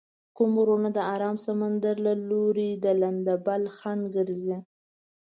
کوم غرونه د ارام سمندر له لوري د لندبل خنډ ګرځي؟